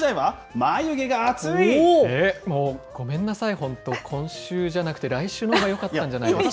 もう、ごめんなさい、本当、今週じゃなくて、来週のほうがよかったんじゃないですか。